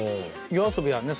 ＹＯＡＳＯＢＩはね